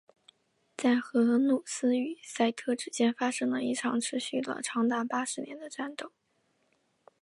在荷鲁斯与赛特之间发生了一场持续了长达八十年的战斗。